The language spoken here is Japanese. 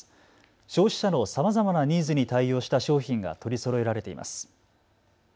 消費者のさまざまなニーズに対応した商品が取りそろえられています。